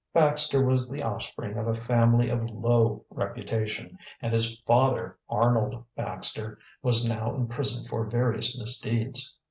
Baxter was the offspring of a family of low reputation, and his father, Arnold Baxter, was now in prison for various misdeeds.